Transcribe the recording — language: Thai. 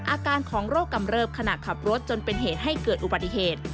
อาการของโรคกำเริบขณะขับรถจนเป็นเหตุให้เกิดอุบัติเหตุ